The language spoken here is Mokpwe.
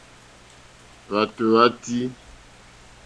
Hwátò hwá tʃǐ.